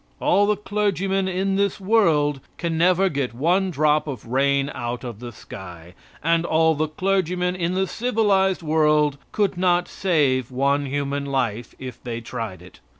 All the clergymen in this world can never get one drop of rain out of the sky; and all the clergymen in the civilized world could not save one human life if they tried it.